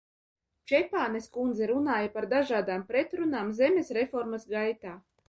Čepānes kundze runāja par dažādām pretrunām zemes reformas gaitā.